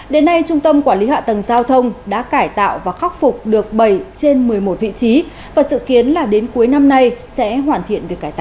đến nay trung tâm quản lý hạ tầng giao thông đã cải tạo và khắc phục được bảy trên một mươi một vị trí và sự kiến là đến cuối năm nay sẽ hoàn thiện việc cải tạo